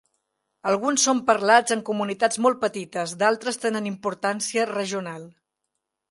Alguns són parlats en comunitats molt petites, d'altres tenen importància regional